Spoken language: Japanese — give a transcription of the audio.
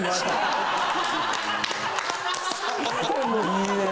いいね！